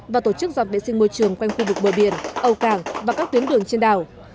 và tổ chức dọn vệ sinh môi trường quanh khu vực bờ biển ầu cảng và các tuyến đường trên đảo